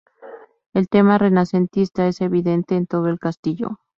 El tema renacentista es evidente en todo el castillo.